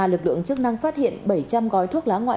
lực lượng chức năng phát hiện bảy trăm linh gói thuốc lá ngoại